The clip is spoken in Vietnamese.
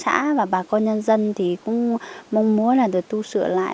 xã và bà con nhân dân thì cũng mong muốn là được tu sửa lại